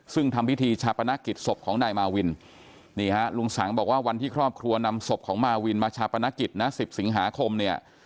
ซึ่งทำพิธีชาปนกิจศพของนายมาวินนี่ฮะลุงสังบอกว่าวันที่ครอบครัวนำศพของมาวินมาชาปนกิจนะ๑๐สิงหาคมเนี่ย